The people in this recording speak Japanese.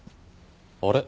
あれ？